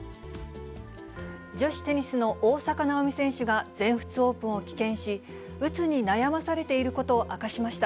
女子テニスの大坂なおみ選手が全仏オープンを棄権し、うつに悩まされていることを明かしました。